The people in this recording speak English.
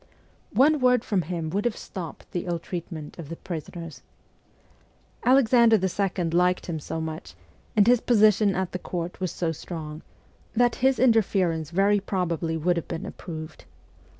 One word from him would have stopped the ill treatment of the prisoners. Alexander II. liked him so much, and his position at the court was so strong, that his interference very probably would have been approved.